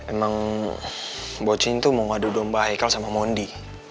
emang boching tuh mau ngadu domba haikal sama mondi